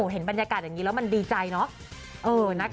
เห็นบรรยากาศอย่างนี้แล้วมันดีใจเนาะ